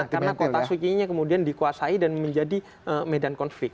karena kota sukinya kemudian dikuasai dan menjadi medan konflik